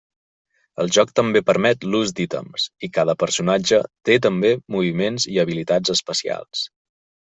El joc també permet l'ús d'ítems, i cada personatge té també moviments i habilitats especials.